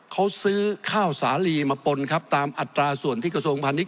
เขาซื้อข้าวสาลีมาปนครับตามอัตราส่วนที่กระทรวงพาณิช